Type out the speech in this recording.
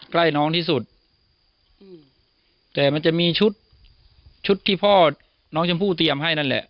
ใกล้น้องที่สุดอืมแต่มันจะมีชุดชุดที่พ่อน้องชมพู่เตรียมให้นั่นแหละ